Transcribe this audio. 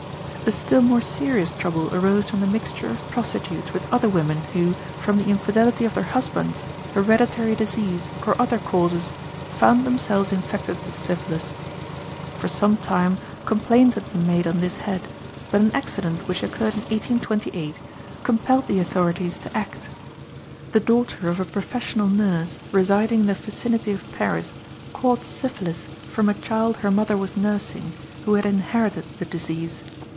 A still more serious trouble arose from the mixture of prostitutes with other women who, from the infidelity of their husbands, hereditary disease, or other causes, found themselves infected with syphilis. For some time complaints had been made on this head, but an accident, which occurred in 1828, compelled the authorities to act. The daughter of a professional nurse, residing in the vicinity of Paris, caught syphilis from a child her mother was nursing, who had inherited the disease.